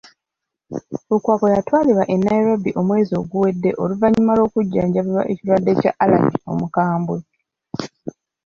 Lukwago yatwalibwa e Nairobi omwezi oguwedde oluvannyuma lw'okujjanjabibwa ekirwadde kya Alaje omukambwe.